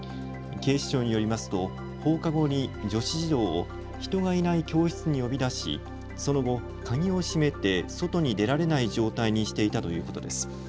警視庁によりますと、放課後に女子児童を人がいない教室に呼び出し、その後、鍵を閉めて外に出られない状態にしていたということです。